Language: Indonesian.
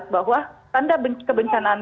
bahwa tanda kebencanaan